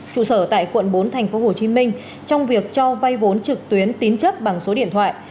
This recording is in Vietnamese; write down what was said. trụ sở tại quận bốn tp hcm trong việc cho vay vốn trực tuyến tín chấp bằng số điện thoại